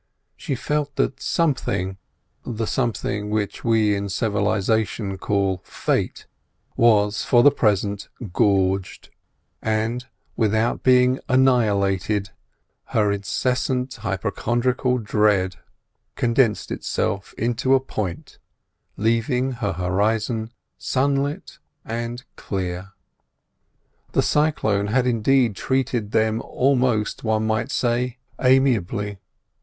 She felt that something—the something which we in civilisation call Fate—was for the present gorged; and, without being annihilated, her incessant hypochondriacal dread condensed itself into a point, leaving her horizon sunlit and clear. The cyclone had indeed treated them almost, one might say, amiably.